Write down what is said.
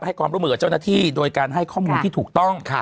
ให้ความร่วมมือกับเจ้าหน้าที่โดยการให้ข้อมูลที่ถูกต้อง